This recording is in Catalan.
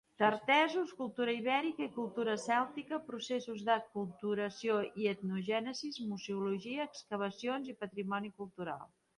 Tartessos, cultura Ibèrica i cultura Cèltica, processos d'Aculturació i etnogènesi, Museologia, excavacions i patrimoni cultural.